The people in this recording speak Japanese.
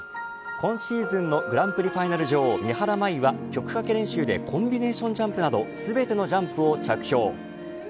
今シーズンのグランプリファイナル女王三原舞依は曲かけ練習でコンビネーションジャンプなど全てのジャンプを着氷。